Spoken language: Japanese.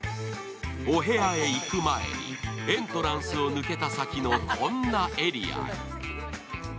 お部屋へ行く前にエントランスを抜けた先のこんなエリアへ。